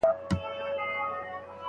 ټولنیز تعامل د خلکو تر منځ واټن نه زیاتوي.